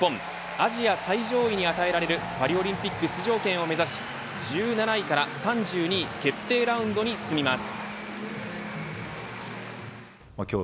アジア最上位に与えられるパリオリンピック出場権を目指し１７位から３２位決定ラウンドに進みます。